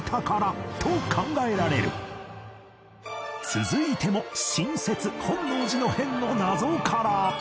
続いても新説本能寺の変の謎から